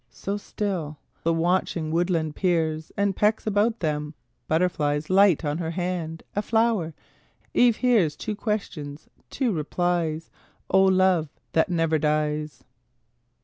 So still the watching woodland peers And pecks about them, butterflies Light on her hand a flower; eve hears Two questions, two replies O love that never dies!